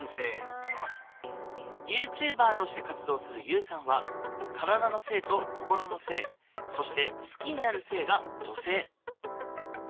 ＹｏｕＴｕｂｅｒとして活動するＵさんは体の性と心の性そして好きになる性が女性。